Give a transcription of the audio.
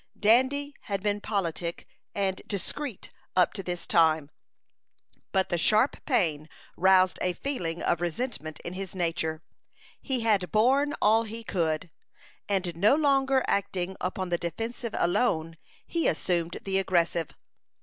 Dandy had been politic and discreet up to this time, but the sharp pain roused a feeling of resentment in his nature. He had borne all he could, and no longer acting upon the defensive alone, he assumed the aggressive.